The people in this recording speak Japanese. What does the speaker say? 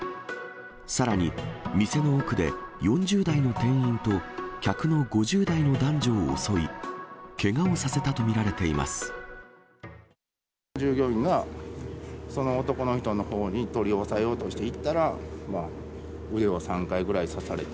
さらに、店の奥で４０代の店員と客の５０代の男女を襲い、けがをさせたと従業員が、その男の人のほうに、取り押さえようとして行ったら、まあ、腕を３回ぐらい刺された。